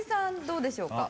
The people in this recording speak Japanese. どうでしょうか？